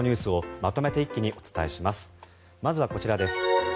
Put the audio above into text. まずはこちらです。